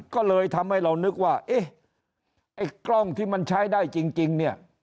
ก็เลยทำให้เรานึกว่าเอ๊ะไอ้กล้องที่มันใช้ได้จริงเนี่ย